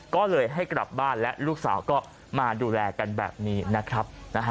ก็เลยให้กลับบ้านและลูกสาวก็มาดูแลกันแบบนี้นะครับ